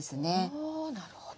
あなるほど。